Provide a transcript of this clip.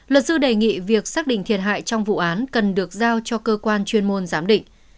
luật sư đề nghị việc xác định thiệt hại trong vụ án cần được giao cho cơ quan chuyên môn giám định